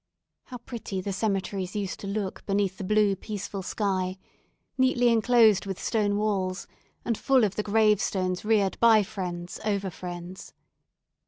How pretty the cemeteries used to look beneath the blue peaceful sky; neatly enclosed with stone walls, and full of the grave stones reared by friends over friends.